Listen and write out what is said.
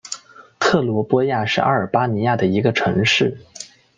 特罗波亚是阿尔巴尼亚的一个城市。